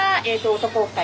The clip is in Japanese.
男２人。